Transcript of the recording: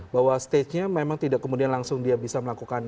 bahwa stagingnya memang tidak kemudian langsung dia bisa melakukan